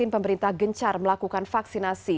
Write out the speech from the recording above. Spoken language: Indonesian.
pemerintah gencar melakukan vaksinasi